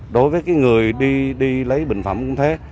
đối với người đi lấy bệnh phẩm cũng thế